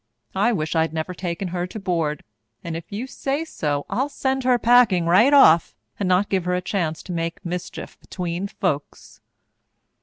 I wish I'd never taken her to board, and if you say so, I'll send her packing right off and not give her a chance to make mischief atween folks."